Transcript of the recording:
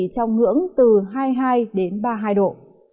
trong ngưỡng từ hai mươi hai đến ba mươi hai độ